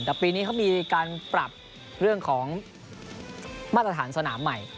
แต่ปีนี้เขามีการปรับเรื่องของมาตรฐานสนามใหม่